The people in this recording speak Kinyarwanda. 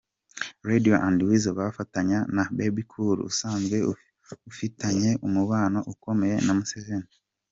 Radio na Weasel bazafatanya na Bebe Cool, usanzwe ufitanye umubano ukomeye na Museveni.